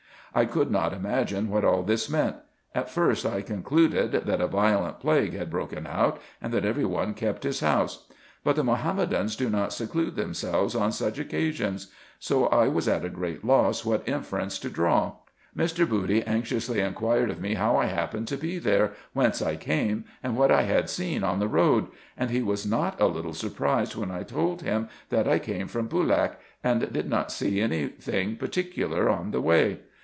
I could not imagine what all this meant. At first I concluded, that a violent plague had broken out, and that every one kept his house : but the Mahommedans do not seclude themselves on such occasions ; so I was at a great loss what inference to draw. Mr. Bocty anxiously inquired of me how I happened to be there, whence I came, and what I had seen on the road ; and he Avas not a little surprised, when I told him, that I came from Boolak, and did not see any thing particular on the way.